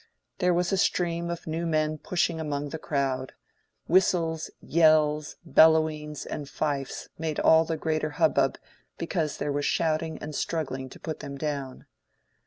There was a stream of new men pushing among the crowd; whistles, yells, bellowings, and fifes made all the greater hubbub because there was shouting and struggling to put them down.